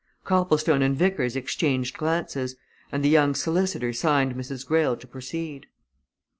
Copplestone and Vickers exchanged glances, and the young solicitor signed Mrs. Greyle to proceed.